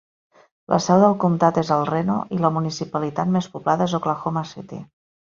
La seu de comtat és El Reno i la municipalitat més poblada és Oklahoma City.